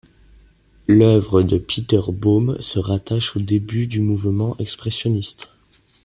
L'œuvre de Peter Baum se rattache aux débuts du mouvement expressionniste.